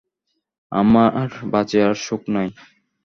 আমার বাঁচিয়া সুখ নাই।